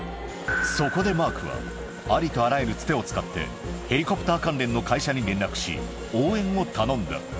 そこでマークは、ありとあらゆるつてを使って、ヘリコプター関連の会社に連絡し、応援を頼んだ。